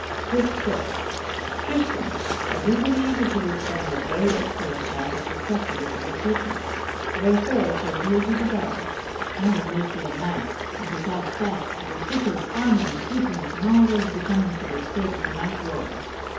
So he said: "Tristram, I do believe that you will stand a very excellent chance of success in this undertaking, wherefore it shall be as you desire; I will make you a knight, and besides that I will fit you with armor and accoutrements in all ways becoming to the estate of a knight royal.